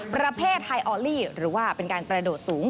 ประเทศไทยออลลี่หรือว่าเป็นการกระโดดสูง